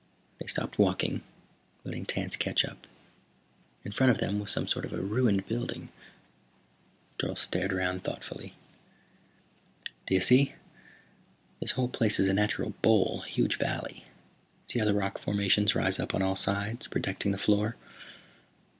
They stopped walking, letting Tance catch up. In front of them was some sort of a ruined building. Dorle stared around thoughtfully. "Do you see? This whole place is a natural bowl, a huge valley. See how the rock formations rise up on all sides, protecting the floor.